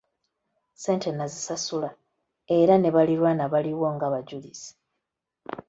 Ssente nazisasula era ne baliraanwa baaliwo ng’abajulizi.